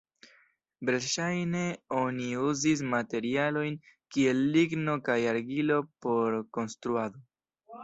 Verŝajne oni uzis materialojn kiel ligno kaj argilo por konstruado.